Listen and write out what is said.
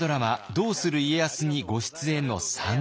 「どうする家康」にご出演の３人。